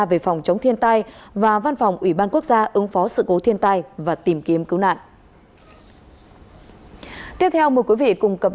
về phòng chống thiên tai và văn phòng ủy ban quốc gia ứng phó sự cố thiên tai và tìm kiếm cứu nạn